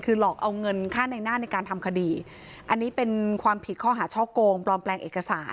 คือหลอกเอาเงินค่าในหน้าในการทำคดีอันนี้เป็นความผิดข้อหาช่อโกงปลอมแปลงเอกสาร